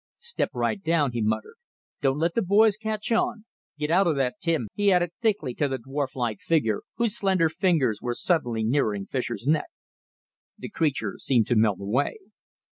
"Step right down," he muttered. "Don't let the boys catch on. Get out of that, Tim," he added thickly to the dwarflike figure, whose slender fingers were suddenly nearing Fischer's neck. The creature seemed to melt away.